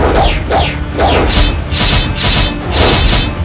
belum sudah heterogen